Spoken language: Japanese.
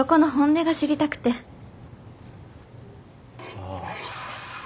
ああ。